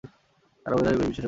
তার অভিনয় বেশ বিশ্বাসযোগ্য ছিল।